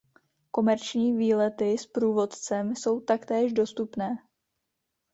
Komerční výlety s průvodcem jsou taktéž dostupné.